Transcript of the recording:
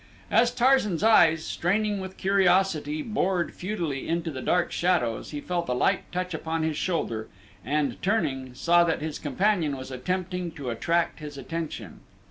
As Tarzan's eyes, straining with curiosity, bored futilely into the dark shadows he felt a light touch upon his shoulder, and, turning, saw that his companion was attempting to attract his attention.